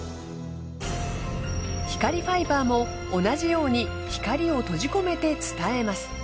光ファイバーも同じように光を閉じ込めて伝えます。